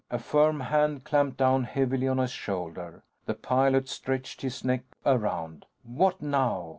A firm hand clamped down heavily on his shoulder. The pilot stretched his neck around. What now?